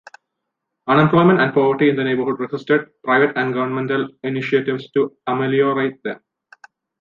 Unemployment and poverty in the neighborhood resisted private and governmental initiatives to ameliorate them.